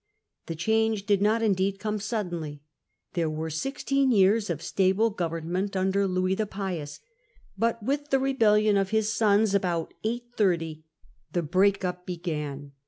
The change did not, indeed, come suddenly ; there were sixteen years of stable government under Louis the Pious, but with the rebellion of his sons, about 830, the break up began.